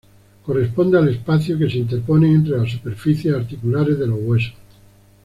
Corresponde al espacio que se interpone entre las superficies articulares de los huesos.